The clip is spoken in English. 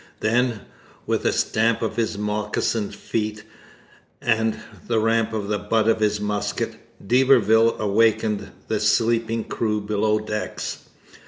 Then, with a stamp of his moccasined feet and a ramp of the butt of his musket, d'Iberville awakened the sleeping crew below decks.